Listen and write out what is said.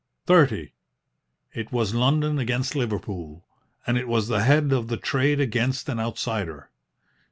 "Thirty." It was London against Liverpool, and it was the head of the trade against an outsider.